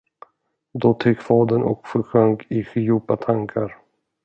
Då teg fadern och försjönk i djupa tankar.